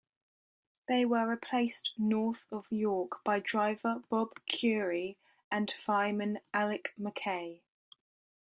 They were replaced north of York by driver Bob Currie and fireman Alec Mackay.